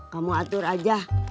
kamu atur aja